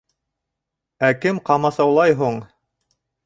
Ә кем ҡамасаулай һуң?